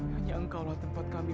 hanya engkau lah tempat kami